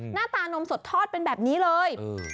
หน้าตานมสดทอดเป็นแบบนี้เลย